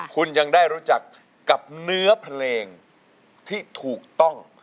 คุณยังได้รู้จักกับเนื้อเพลงที่ถูกต้อง